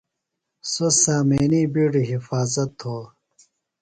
سوۡ سامینی بِیڈی حفاظت تھاُوۡ۔